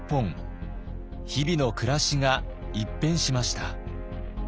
日々の暮らしが一変しました。